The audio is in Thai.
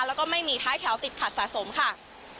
แล้วก็ไม่มีท้ายแถวติดขัดสะสมค่ะ